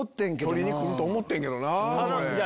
取りにくると思ってんけどなぁ。